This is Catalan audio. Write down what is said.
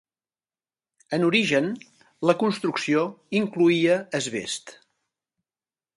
En origen la construcció incloïa asbest.